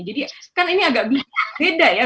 jadi kan ini agak beda ya